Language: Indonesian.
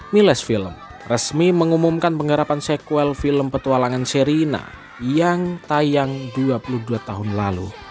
miles film resmi mengumumkan penggarapan sequel film petualangan serina yang tayang dua puluh dua tahun lalu